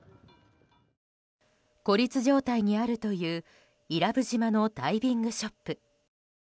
孤立状態にあるという伊良部島のダイビングショップ。